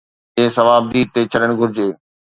اهو انهن جي صوابديد تي ڇڏڻ گهرجي.